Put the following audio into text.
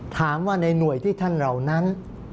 ถามว่าในหน่วยที่ท่านเหล่านั้น